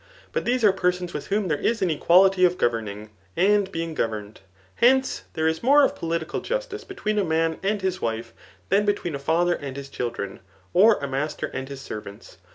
But these are persons with whom there is an equality of governing, and being governed. Hence', there is more of political justice between a man and his wife, than between a father and his children, or a mas ter and his servants.